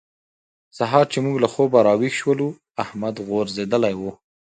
سهار چې موږ له خوبه راويښ شولو؛ احمد غورځېدلی وو.